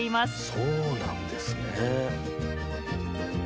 そうなんですね。